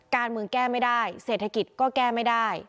การเมืองแก้ไม่ได้เศรษฐกิจก็แก้ไม่ได้